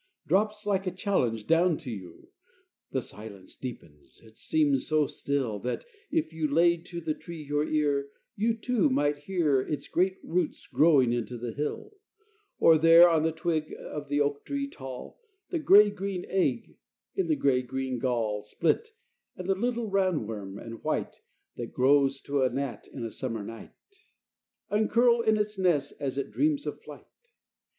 Drops like a challenge down to you. The silence deepens; it seems so still, That, if you laid to the tree your ear, You too might hear Its great roots growing into the hill; Or there on the twig of the oak tree tall, The gray green egg in the gray green gall Split, and the little round worm and white, That grows to a gnat in a summer night, Uncurl in its nest as it dreams of flight.